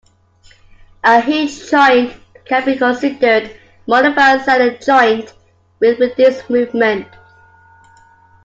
A hinge joint can be considered a modified sellar joint, with reduced movement.